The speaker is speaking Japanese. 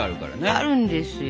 あるんですよ。